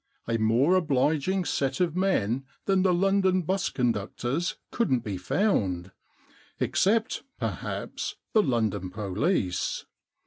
A more obliging set of men than the London bus conductors couldn't be found, except, perhaps, the London police.